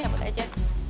kita cabut aja